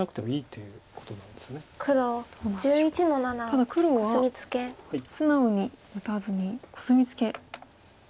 ただ黒は素直に打たずにコスミツケ。